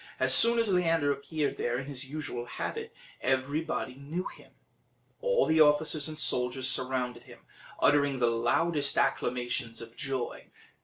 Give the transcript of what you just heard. As soon as Leander appeared there in his usual habit, everybody knew him; all the officers and soldiers surrounded him, uttering the loudest acclamations of joy.